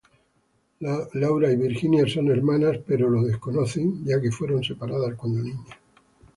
Laura y Virginia son hermanas, pero lo desconocen ya que fueron separadas cuando niñas.